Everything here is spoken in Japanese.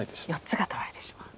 ４つが取られてしまう。